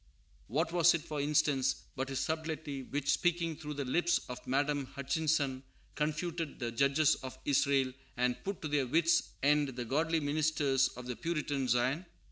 What was it, for instance, but his subtlety which, speaking through the lips of Madame Hutchinson, confuted the "judges of Israel" and put to their wits' end the godly ministers of the Puritan Zion?